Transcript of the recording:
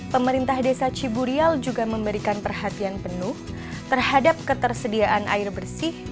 pemerintah desa ciburial juga memberikan perhatian penuh terhadap ketersediaan air bersih